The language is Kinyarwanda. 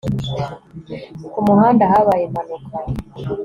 ku muhanda habaye impanuka